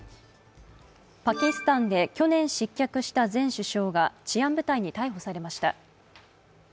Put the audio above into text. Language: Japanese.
パキスタンで去年失脚した前首相が治安部隊に逮捕されました。